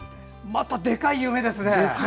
またでかい夢ですね。